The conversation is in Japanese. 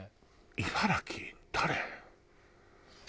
茨城は誰？